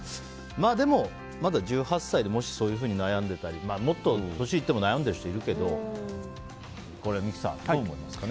でも、まだ１８歳でもしそういうふうに悩んでたりもっと年がいっても悩んでいる人いるけどこれ、三木さんどう思いますか？